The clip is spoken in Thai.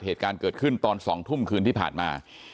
เหตุการณ์เกิดขึ้นตอน๒ทุ่มคืนที่ผ่านมา